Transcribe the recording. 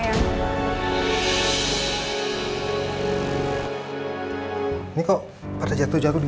dan pun berdua di ini